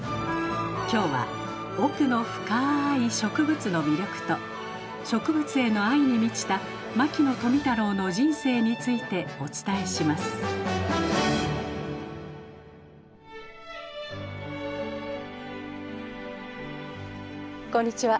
今日は奥の深い植物の魅力と植物への愛に満ちた牧野富太郎の人生についてお伝えしますこんにちは。